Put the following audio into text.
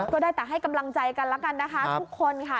ก็ได้แต่ให้กำลังใจกันแล้วกันนะคะทุกคนค่ะ